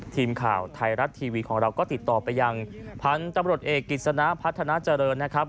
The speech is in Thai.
ทีมข่าวไทยรัฐทีวีของเราก็ติดต่อไปยังพันธุ์ตำรวจเอกกิจสนะพัฒนาเจริญนะครับ